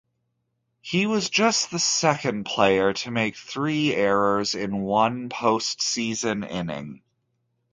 He was just the second player to make three errors in one postseason inning.